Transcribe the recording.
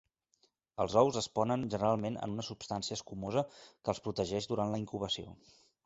Els ous es ponen generalment en una substància escumosa que els protegeix durant la incubació.